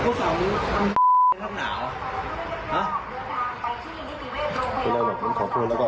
กูสาวมึงน้ำหนาวฮะ